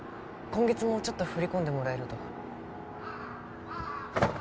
今月もちょっと振り込んでもらえると。